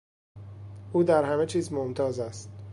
او در همه چیز ممتاز است.